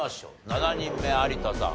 ７人目有田さん